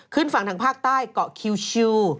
ขึ้นฝั่งทางภาคใต้เกาะคิว